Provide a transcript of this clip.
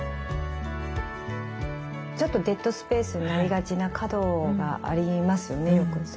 ちょっとデッドスペースになりがちな角がありますよねよく。